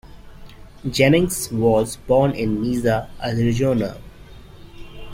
Jennings was born in Mesa, Arizona.